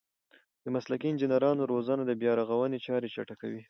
د مسلکي انجنیرانو روزنه د بیارغونې چارې چټکوي.